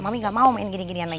mami gak mau main beginian lagi